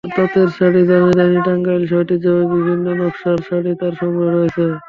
তাঁতের শাড়ি, জামদানি, টাঙ্গাইলসহ ঐতিহ্যবাহী বিভিন্ন নকশার শাড়ি তাঁর সংগ্রহে রয়েছে।